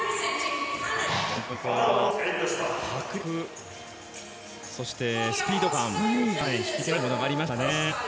迫力、そしてスピード感引き付けられるものがありましたね。